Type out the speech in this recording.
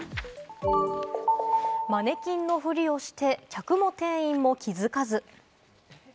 マネキンのふりをして、客も店員も気づかず。